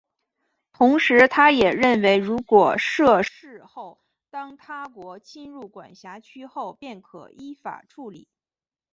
同时他也认为如果设市后当他国侵入管辖区后便可依法处理。